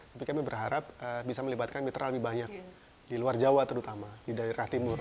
tapi kami berharap bisa melibatkan mitra lebih banyak di luar jawa terutama di daerah timur